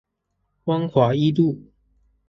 光華一路